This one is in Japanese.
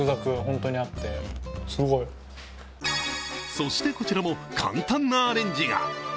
そして、こちらも簡単なアレンジが。